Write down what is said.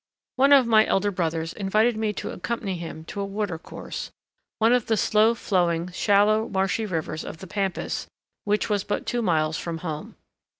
One of my elder brothers invited me to accompany him to a water course, one of the slow flowing shallow marshy rivers of the pampas which was but two miles from home.